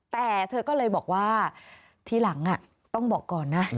แต่เธอก็เลยบอกว่าทีหลังต้องบอกก่อนนะ